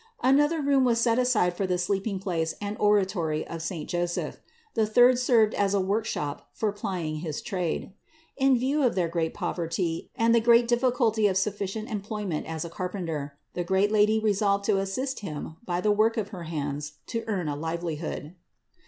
Another room was set aside for the sleeping place and oratory of saint Joseph. The third served as a workshop for plying his trade. In view of their great poverty, and of the great difficulty of sufficient employment as a carpenter, the great Lady resolved to assist him by the work of her hands to earn a livelihood.